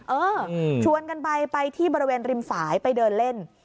เออชวนกันไปไปที่บริเวณริมฝ่ายไปเดินเล่น